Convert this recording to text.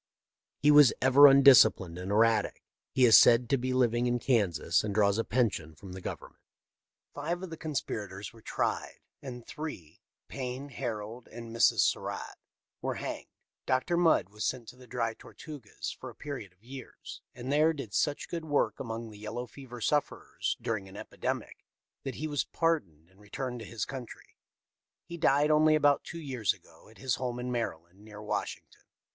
He was ever undisciplined and erratic. He is said to be living in Kansas, and draws a pension from the Gov ernment. " Five of the conspirators were tried, and three, Payne, Harold, and Mrs. Surratt, were hanged. Dr. Mudd was sent to the Dry Tortugas for a period of years, and there did such good work among the yellow fever sufferers during an epi demic that he was pardoned and returned to this country. He died only about two years ago at his home in Maryland, near Washington.